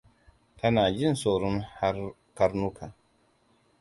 Tana jin tsoron karnuka.